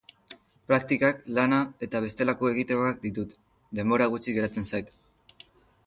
Praktikak, lana eta bestelako egitekoak ditut, denbora gutxi geratzen zait.